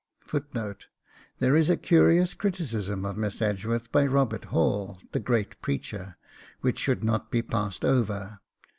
' There is a curious criticism of Miss Edgeworth by Robert Hall, the great preacher, which should not be passed over.